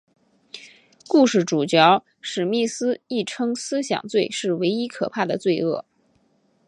故事主角史密斯亦称思想罪是唯一可怕的罪恶。